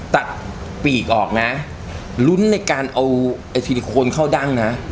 ตัดปีกออกน่ะลุ้นในการเอาไอธินโคนเข้าดั้งน่ะ